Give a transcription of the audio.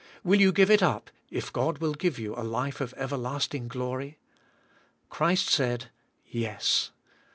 Will you give it up if God will give you a life of everlasting glory. Christ said, Yes.